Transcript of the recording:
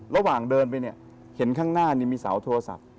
ระหว่างเดินไปเนี่ยเห็นข้างหน้ามีเสาโทรศัพท์